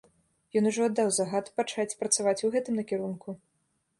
Ён ужо аддаў загад пачаць працаваць у гэтым накірунку.